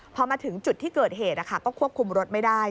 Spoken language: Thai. พอมาถึงจุดที่เกิดเหตุก็ควบคุมรถไม่ได้